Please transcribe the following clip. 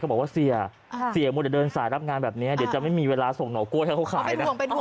บอกว่าเสียเสียมัวแต่เดินสายรับงานแบบนี้เดี๋ยวจะไม่มีเวลาส่งหอกล้วยให้เขาขายนะ